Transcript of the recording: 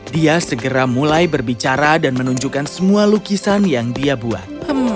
dia segera mulai berbicara dan menunjukkan semua lukisan yang dia buat